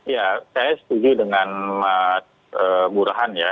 ya saya setuju dengan mas burhan ya